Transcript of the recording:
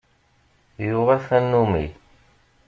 Yuɣa tanummi.